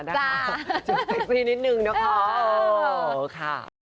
เซ็กซี่นิดนึงนะคะ